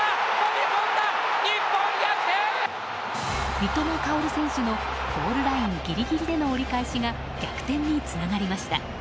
三笘薫選手のゴールラインギリギリの折り返しが逆転につながりました。